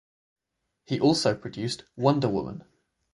He also produced "Wonder Woman".